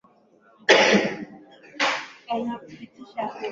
wa kipumbavuKatika kipindi hiki ambacho dunia inapambana na janga la ugonjwa wa Corona